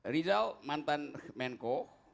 rizal mantan menko